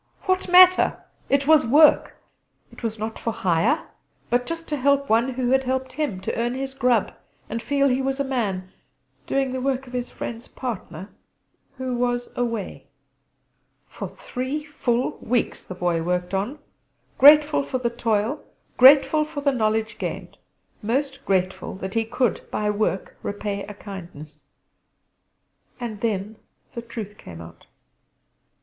What matter? It was work. It was not for hire, but just to help one who had helped him; to 'earn his grub' and feel he was a man, doing the work of his friend's partner, 'who was away.' For three full weeks the Boy worked on; grateful for the toil; grateful for the knowledge gained; most grateful that he could by work repay a kindness. And then the truth came out!